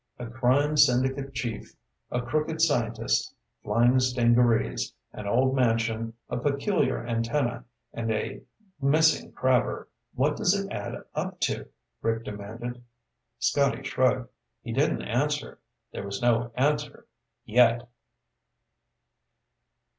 "A crime syndicate chief, a crooked scientist, flying stingarees, an old mansion, a peculiar antenna, and a missing crabber. What does it add up to?" Rick demanded. Scotty shrugged. He didn't answer. There was no answer yet.